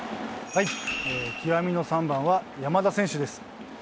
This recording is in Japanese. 極みの３番は山田選手です。